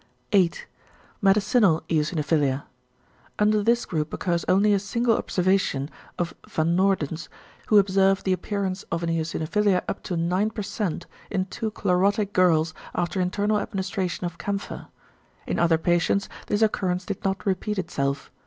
8. =Medicinal eosinophilia.= Under this group occurs only a single observation of v. Noorden's, who observed the appearance of an eosinophilia up to 9% in two chlorotic girls after internal administration of camphor. In other patients this occurrence did not repeat itself.